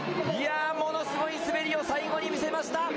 いやー、ものすごい滑りを最後に見せました。